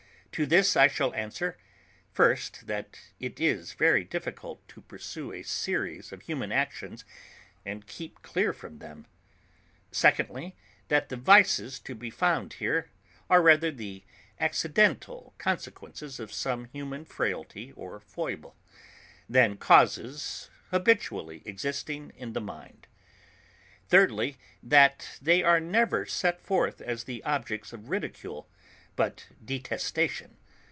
To this I shall answer: First, that it is very difficult to pursue a series of human actions and keep clear from them. Secondly, that the vices to be found here, are rather the accidental consequences of some human frailty, or foible, than causes habitually existing in the mind. Thirdly, that they are never set forth as the objects of ridicule, but detestation.